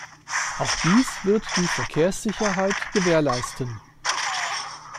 Auch dies wird die Verkehrssicherheit gewährleisten.